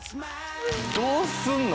どうすんの？